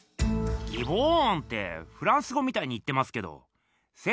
ギボーンってフランス語みたいに言ってますけど仙